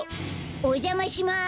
おじゃまします。